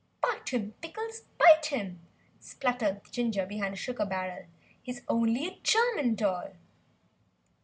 "Bite him, Pickles! bite him!" spluttered Ginger behind a sugar barrel, "he's only a German doll!"